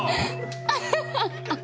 アハハハ。